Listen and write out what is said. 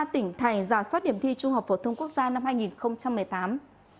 ba tỉnh thành giả soát điểm thi trung học phổ thông quốc gia năm hai nghìn một mươi tám